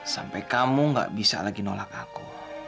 sampai kamu gak bisa lagi nolak aku